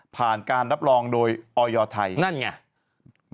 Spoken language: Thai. ผ่านการรับรองโดยออยไทยนั่นไง